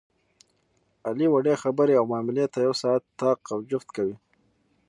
علي وړې خبرې او معاملې ته یو ساعت طاق او جفت کوي.